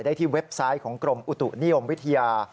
ที่เว็บไซต์ของกรมอุตุนิยมวิทยา